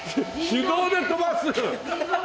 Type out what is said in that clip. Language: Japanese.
手動で飛ばす？